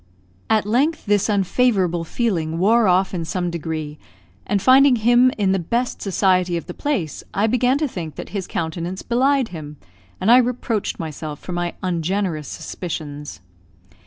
At length this unfavourable feeling wore off in some degree, and finding him in the best society of the place, I began to think that his countenance belied him, and I reproached myself for my ungenerous suspicions.